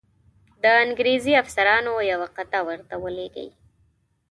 د انګرېزي افسرانو یوه قطعه ورته ولیږي.